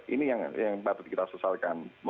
ini yang patut kita sesalkan